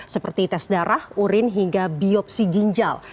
seperti tes darah urin hingga biopsi ginjal